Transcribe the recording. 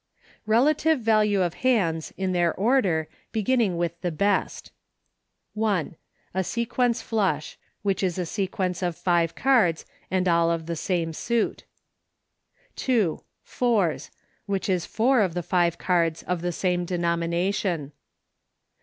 RELATIVE VALUE OF HANDS IN THEIR ORDER, BEGINNING WITH THE BEST. 1. A Sequence Flush — Which is a sequence of five cards, and all of the same suit. 2. Fours — Which is four of the five cards of the same denomination.